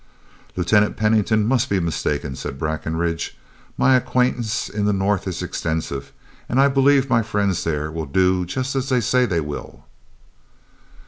"Lieutenant Pennington must be mistaken," said Breckinridge. "My acquaintance in the North is extensive, and I believe my friends there will do just as they say they will."